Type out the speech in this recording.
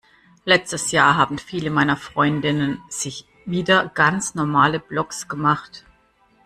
Letztes Jahr haben viele meiner Freundinnen sich wieder ganz normale Blogs gemacht.